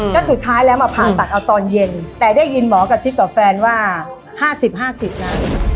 ก็สุดท้ายแล้วมาผ่าตัดเอาตอนเย็นแต่ได้ยินหมอกระซิบกับแฟนว่า๕๐๕๐นะ